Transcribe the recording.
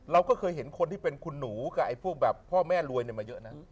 เราก็เคยเห็นคนที่เป็นคุณหนูกับไอ้พวกแบบพ่อแม่รวยมาเยอะนะ